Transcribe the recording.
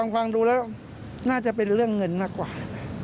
ฟังดูแล้วน่าจะเป็นเรื่องเงินมากกว่า